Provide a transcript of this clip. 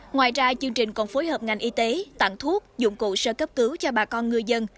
ngoài ra chương trình còn phối hợp ngành y tế tặng thuốc dụng cụ sơ cấp cứu cho bà con ngư dân